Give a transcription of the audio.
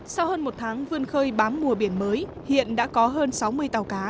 sau hơn một tháng vươn khơi bám mùa biển mới hiện đã có hơn sáu mươi tàu cá